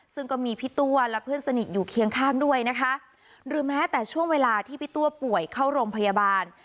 ซึ่งก็มีพี่ตัวและเพื่อนสนิทอยู่เคียงข้างด้วยนะคะหรือแม้แต่ช่วงเวลาที่พี่ตัวป่วยเข้าโรงพยาบาล